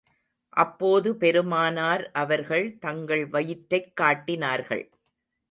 அப்போது பெருமானார் அவர்கள் தங்கள் வயிற்றைக் காட்டினார்கள்.